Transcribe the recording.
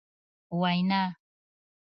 وینا ...